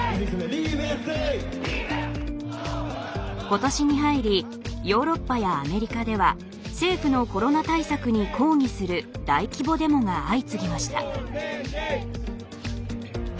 ことしに入りヨーロッパやアメリカでは政府のコロナ対策に抗議する大規模デモが相次ぎました。